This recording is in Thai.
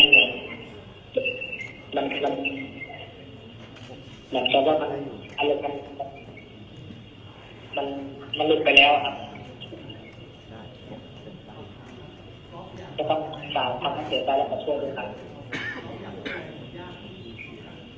มันหมดจ๋าว่ามันมันมันลึกไปแล้วครับ